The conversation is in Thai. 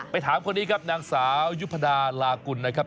ถามคนนี้ครับนางสาวยุพดาลากุลนะครับ